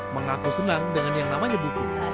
mengaku senang dengan yang namanya buku